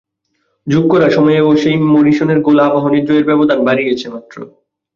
যোগ করা সময়ে ওসেই মরিসনের গোল আবাহনীর জয়ের ব্যবধান বাড়িয়েছে মাত্র।